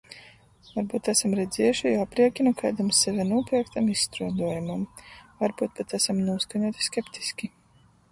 Varbyut asam redziejuši juo apriekinu kaidam seve nūpierktam izstruoduojumam. Varbyut pat asam nūskaņuoti skeptiski.